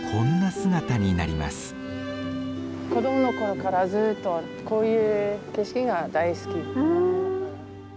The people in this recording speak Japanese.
子供のころからずっとこういう景色が大好き。